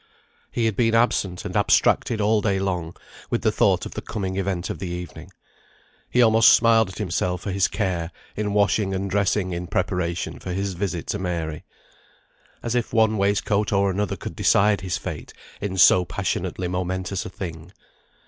He had been absent and abstracted all day long with the thought of the coming event of the evening. He almost smiled at himself for his care in washing and dressing in preparation for his visit to Mary. As if one waistcoat or another could decide his fate in so passionately momentous a thing.